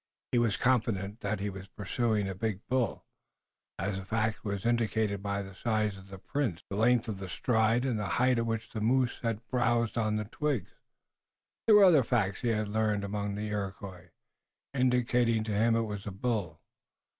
He was confident that he was pursuing a big bull, as the fact was indicated by the size of the prints, the length of the stride, and the height at which the moose had browsed on the twigs. There were other facts he had learned among the Iroquois, indicating to him it was a bull.